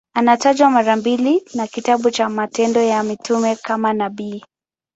Anatajwa mara mbili na kitabu cha Matendo ya Mitume kama nabii.